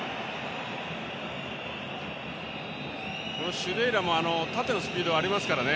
シェディラも縦のスピードもありますからね。